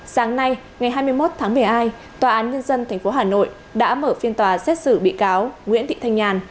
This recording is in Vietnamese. sáng nay ngày hai mươi một tháng một mươi hai tòa án nhân dân tp hà nội đã mở phiên tòa xét xử bị cáo nguyễn thị thanh nhàn